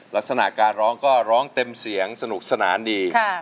ลักษณะการร้องก็ร้องเต็มเสียงสนุกสนานดี